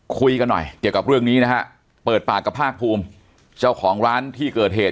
คุยกันหน่อยเกี่ยวกับเรื่องนี้นะฮะเปิดปากกับภาคภูมิเจ้าของร้านที่เกิดเหตุ